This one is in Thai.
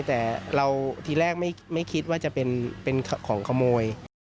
แต่เราทีแรกไม่คิดว่าจะเป็นของขโมย